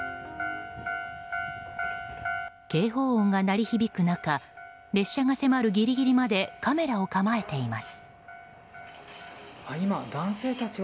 警報音が鳴り響く中列車が迫るギリギリまでカメラを構えています。